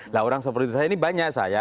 nah orang seperti saya ini banyak saya